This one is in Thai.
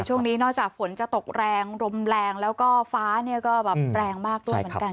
ช่วงนี้นอกจากฝนจะตกแรงลมแรงแล้วก็ฟ้าเนี่ยก็แบบแรงมากด้วยเหมือนกัน